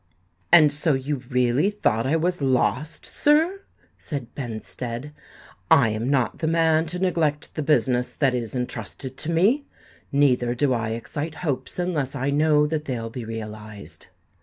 "And so you really thought I was lost, sir?" said Benstead. "I am not the man to neglect the business that is entrusted to me; neither do I excite hopes unless I know that they'll be realised."